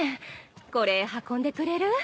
これ運んでくれる？